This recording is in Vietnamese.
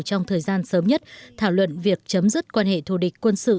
trong thời gian sớm nhất thảo luận việc chấm dứt quan hệ thù địch quân sự